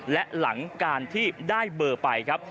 และหลังการที่ได้เบอร์ไปครับ